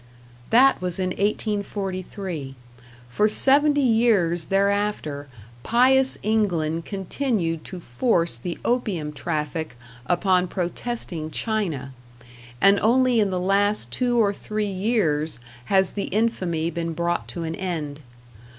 That was in 1843; for seventy years thereafter pious England continued to force the opium traffic upon protesting China, and only in the last two or three years has the infamy been brought to an end.